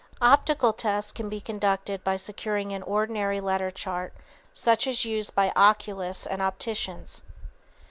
Optical tests can be conducted by securing an ordinary letter chart such as is used by oculists and opticians.